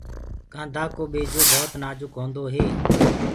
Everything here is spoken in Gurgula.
ڪآنڌآ ڪو ٻيجو ڀوت نآجُڪ هوندو هي۔